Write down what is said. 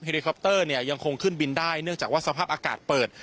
ลิคอปเตอร์เนี่ยยังคงขึ้นบินได้เนื่องจากว่าสภาพอากาศเปิด